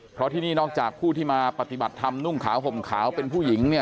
เพราะที่นี่นอกจากผู้ที่มาปฏิบัติธรรมนุ่งขาวห่มขาวเป็นผู้หญิงเนี่ย